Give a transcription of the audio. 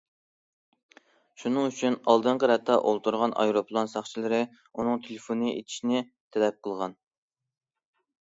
شۇنىڭ ئۈچۈن، ئالدىنقى رەتتە ئولتۇرغان ئايروپىلان ساقچىلىرى ئۇنىڭ تېلېفونى ئېتىشىنى تەلەپ قىلغان.